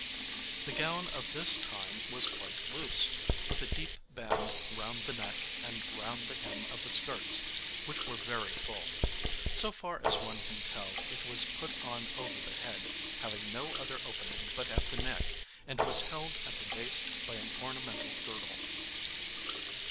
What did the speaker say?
The gown of this time was quite loose, with a deep band round the neck and round the hem of the skirts, which were very full. So far as one can tell, it was put on over the head, having no other opening but at the neck, and was held at the waist by an ornamental girdle.